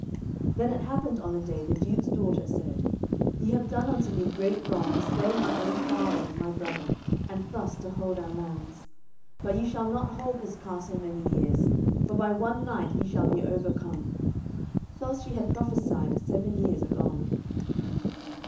Then it happened on a day the duke's daughter said, 'Ye have done unto me great wrong to slay my own father and my brother, and thus to hold our lands. But ye shall not hold this castle many years, for by one knight ye shall be overcome.' Thus she had prophesied seven years agone.